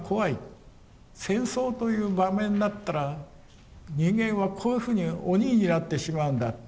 戦争という場面になったら人間はこういうふうに鬼になってしまうんだ。